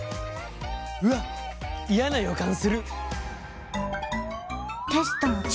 うわっ嫌な予感する。